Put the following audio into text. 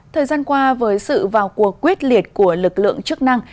thời gian qua với sự vào cuộc quyết liệt của lực lượng chức năng